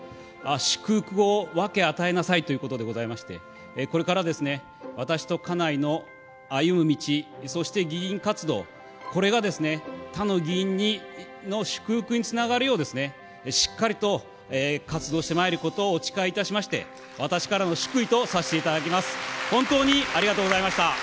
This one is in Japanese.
祝福を分け与えなさいということでございまして、これからですね、私と家内の歩む道、そして議員活動、これが他の議員の祝福につながるよう、しっかりと、活動してまいることをお誓いいたしまして、私からの祝意とさせていただきます。